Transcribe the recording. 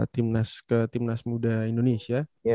timnas ke timnas muda indonesia